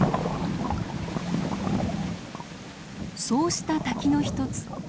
そうした滝の一つ。